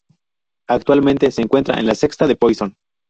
Actualmente se encuentra en la sexta posición.